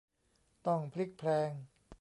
ต้องพลิกแพลง